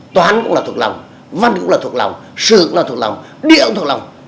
toán cũng là thuộc lòng văn cũng là thuộc lòng sử cũng là thuộc lòng địa cũng thuộc lòng